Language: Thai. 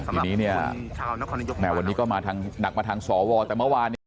สำหรับคุณชาวนครนายกแม้วันนี้ก็หนักมาทางสวแต่เมื่อวาน